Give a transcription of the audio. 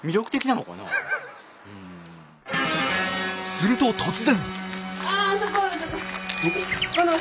すると突然。